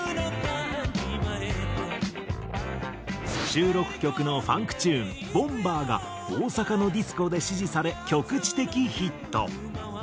収録曲のファンクチューン『ＢＯＭＢＥＲ』が大阪のディスコで支持され局地的ヒット。